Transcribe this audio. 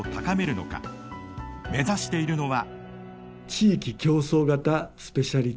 目指しているのは。